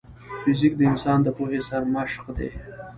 فزیک د انسان د پوهې سرمشق دی.